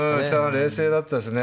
冷静だったですね。